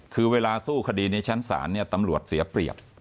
คือเวลาสู้คดีในชั้นศาลเนี่ยตำรวจเสียเปรียบ